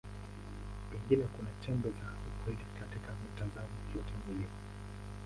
Pengine kuna chembe za ukweli katika mitazamo yote miwili.